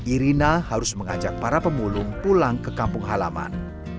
irina harus mengajak para pemulung pulang ke kampung halaman